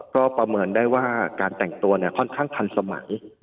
ก็ประเมินได้ว่าการแต่งตัวค่อนข้างทันสมัย